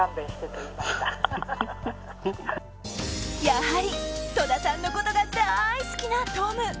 やはり戸田さんのことが大好きなトム。